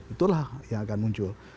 itulah yang akan muncul